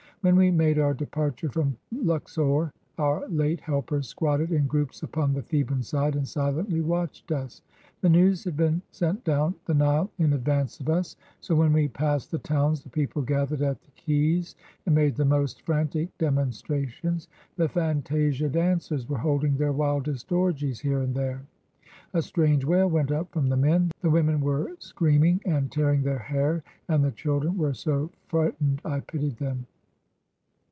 "When we made our departure from Luxor, our late helpers squatted in groups upon the Theban side and silently watched us. The news had been sent down the Nile in advance of us. So, when we passed the towns, the people gathered at the quays and made the most frantic demonstrations. The fantasia dancers were holding their wildest orgies here and there; a strange wail went up from the men ; the women were screaming and tearing their hair, and the children were so fright ened I pitied them.